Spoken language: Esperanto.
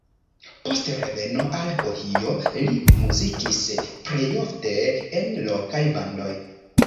Post reveno al Ohio li muzikis plejofte en lokaj bandoj.